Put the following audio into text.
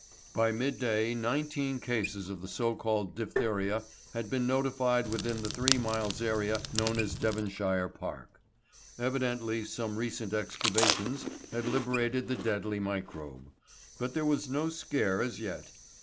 By midday nineteen cases of the so called diphtheria had been notified within the three miles area known as Devonshire Park. Evidently some recent excavations had liberated the deadly microbe. But there was no scare as yet.